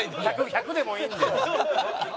１００でもいいんで。